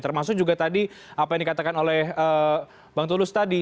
termasuk juga tadi apa yang dikatakan oleh bang tulus tadi